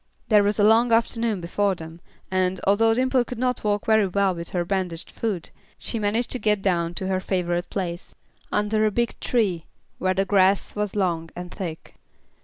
There was a long afternoon before them, and, although Dimple could not walk very well with her bandaged foot, she managed to get down to her favorite place, under a big tree, where the grass was long and thick.